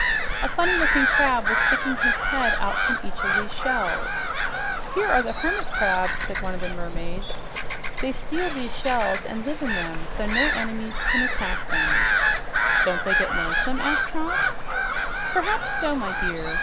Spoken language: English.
A funny looking crab was sticking his head out from each of these shells. "These are the hermit crabs," said one of the mermaids. "They steal these shells and live in them so no enemies can attack them." "Don't they get lonesome?" asked Trot. "Perhaps so, my dear.